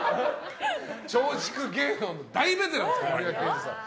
松竹芸能の大ベテランですから森脇健児さんは。